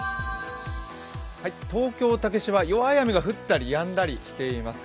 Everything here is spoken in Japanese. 東京・竹芝、弱い雨が降ったりやんだりしています。